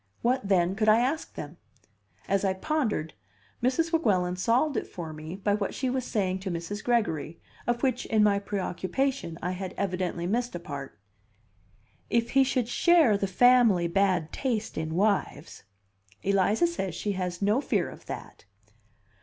What, then, could I ask them? As I pondered, Mrs. Weguelin solved it for me by what she was saying to Mrs. Gregory, of which, in my preoccupation, I had evidently missed a part: " if he should share the family bad taste in wives." "Eliza says she has no fear of that."